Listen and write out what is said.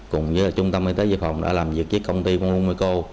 cùng với là trung tâm y tế dự phòng đã làm việc với công ty konglung meiko